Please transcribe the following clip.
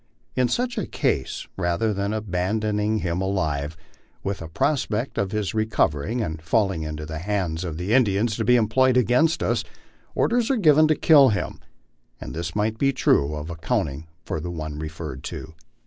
In such a case, rather than aban don him alive, with a prospect of his recovering and falling into the hands of the Indians to be employed against us, orders are given to kill him, and this might be the true way of accounting for the one referred to.